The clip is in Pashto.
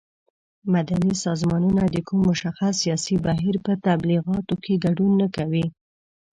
مدني سازمانونه د کوم مشخص سیاسي بهیر په تبلیغاتو کې ګډون نه کوي.